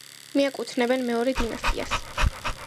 მიაკუთვნებენ მეორე დინასტიას.